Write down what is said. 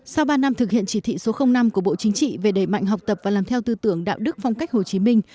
sau ba năm thực hiện chỉ thị số năm của bộ chính trị về đẩy mạnh học tập và làm theo tư tưởng đạo đức phong cách hồ chí minh